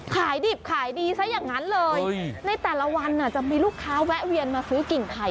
ขายดิบขายดีซะอย่างนั้นเลยในแต่ละวันจะมีลูกค้าแวะเวียนมาซื้อกิ่งไข่